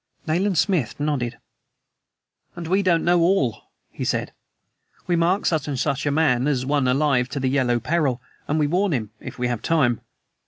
Nayland Smith nodded. "And we don't know all," he said. "We mark such and such a man as one alive to the Yellow Peril, and we warn him if we have time.